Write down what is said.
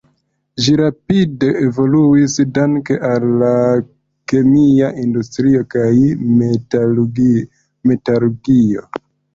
Ĝi rapide evoluis danke al la kemia industrio kaj metalurgio.